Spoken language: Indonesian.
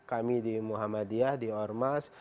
kami di muhammadiyah di ormas